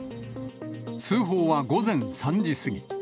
通報は午前３時過ぎ。